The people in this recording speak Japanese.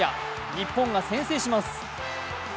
日本が先制します。